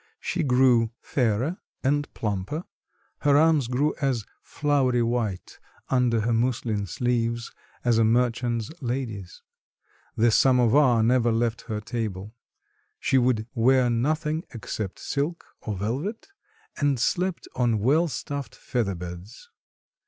She grew fairer and plumper; her arms grew as "floury white" under her muslin sleeves as a merchant's lady's; the samovar never left her table; she would wear nothing except silk or velvet, and slept on well stuffed feather beds.